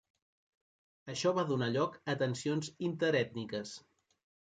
Això va donar lloc a tensions interètniques.